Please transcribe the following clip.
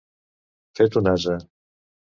Fet un ase.